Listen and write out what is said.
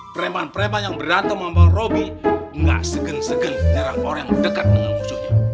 preman preman yang berantem sama bang robi gak segen segen nyerang orang yang dekat dengan musuhnya